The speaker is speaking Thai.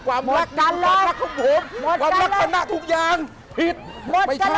โลกจริงจังคือความรักคือความรักของผมความรักของหน้าทุกอย่างผิดไม่ใช่หมดกันแล้ว